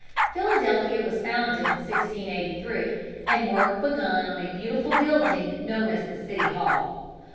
Philadelphia was founded in 1683 and work begun on a beautiful building known as the City Hall.